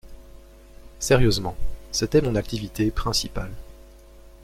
Sérieusement: c’était mon activité principale.